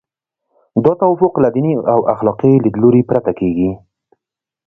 دا توافق له دیني او اخلاقي لیدلوري پرته کیږي.